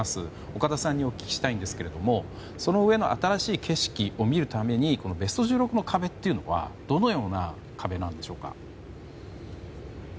岡田さんにお聞きしたいんですがその上の新しい景色を見るためにこのベスト１６の壁というのはどのような壁でしょうか。